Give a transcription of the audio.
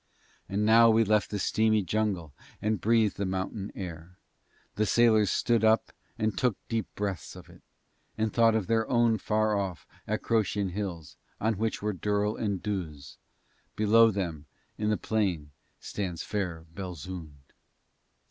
And now we left the steamy jungle and breathed the mountain air; the sailors stood up and took deep breaths of it, and thought of their own far off Acroctian hills on which were Durl and Duz below them in the plains stands fair Belzoond.